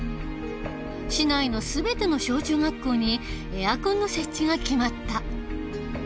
市内の全ての小中学校にエアコンの設置が決まった。